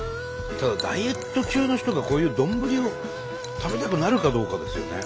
ただダイエット中の人がこういう丼を食べたくなるかどうかですよね。